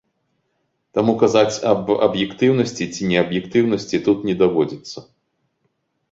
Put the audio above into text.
Таму казаць аб аб'ектыўнасці ці неаб'ектыўнасці тут не даводзіцца.